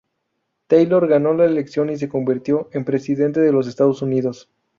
Taylor ganó la elección y se convirtió en presidente de los Estados Unidos.